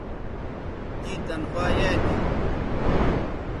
تیں تنخوا یایئ تھی